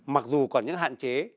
mặc dù còn những hạn chế